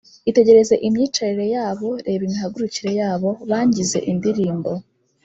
Itegereze imyicarire yabo, Reba imihagurukire yabo, Bangize indirimbo.